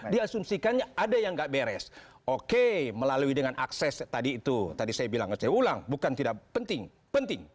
diasumsikannya ada yang nggak beres oke melalui dengan akses tadi itu tadi saya bilang saya ulang bukan tidak penting penting